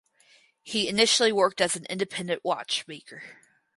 He initially worked as an independent watchmaker.